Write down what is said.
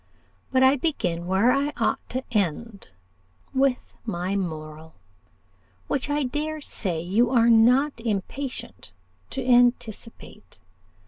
But I begin where I ought to end with my moral, which I dare say you are not impatient to anticipate.